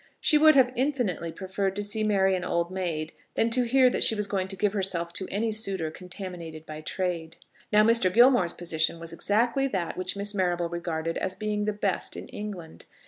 She would have infinitely preferred to see Mary an old maid, than to hear that she was going to give herself to any suitor contaminated by trade. Now Mr. Gilmore's position was exactly that which Miss Marrable regarded as being the best in England.